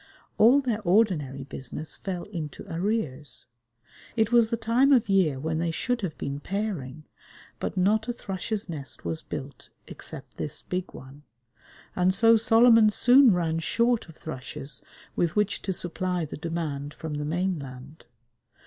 All their ordinary business fell into arrears. It was the time of year when they should have been pairing, but not a thrush's nest was built except this big one, and so Solomon soon ran short of thrushes with which to supply the demand from the mainland.